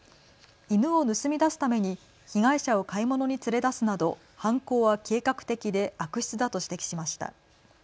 犬を盗み出すために被害者を買い物に連れ出すなど犯行は計画的で悪質だと指摘しました。